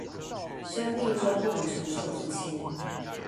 生命中不能承受之輕